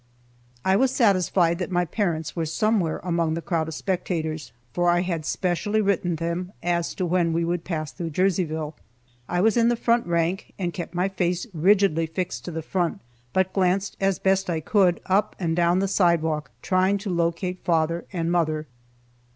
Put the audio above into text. I was satisfied that my parents were somewhere among the crowd of spectators, for I had specially written them as to when we would pass through Jerseyville. I was in the front rank, and kept my face rigidly fixed to the front, but glanced as best I could up and down the sidewalk, trying to locate father and mother.